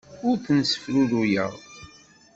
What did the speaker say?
Ur ten-ssefruruyeɣ.